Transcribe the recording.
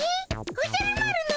おじゃる丸の虫